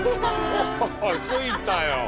お着いたよ。